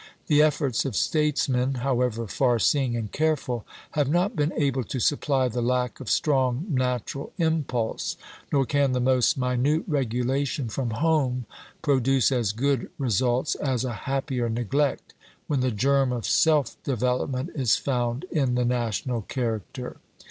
The efforts of statesmen, however far seeing and careful, have not been able to supply the lack of strong natural impulse; nor can the most minute regulation from home produce as good results as a happier neglect, when the germ of self development is found in the national character.